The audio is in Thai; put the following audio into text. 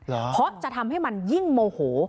เพราะจะทำให้มันยิ่งโมโห